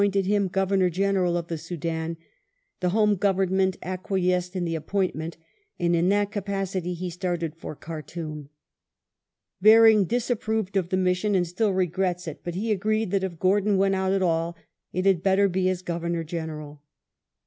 Miles 1885] GORDON'S MISSION 503 Soudan, the Home Government acquiesced in the appointment, and in that capacity he started for Khartoum. Baring disapproved of the mission and still regrets it,^ but he agreed that if Gordon went at all it had better be as Governor General.